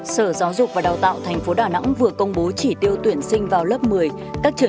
sở giáo dục và đào tạo tp đà nẵng vừa công bố chỉ tiêu tuyển sinh vào lúc ba tháng năm